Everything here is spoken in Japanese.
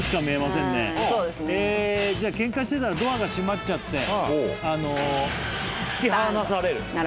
じゃあケンカしてたらドアが閉まっちゃって引き離される。